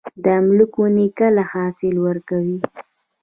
د املوک ونې کله حاصل ورکوي؟